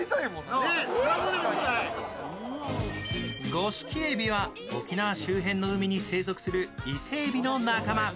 ゴシキエビは沖縄周辺の海に生息する伊勢えびの仲間。